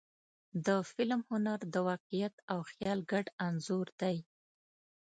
د فلم هنر د واقعیت او خیال ګډ انځور دی.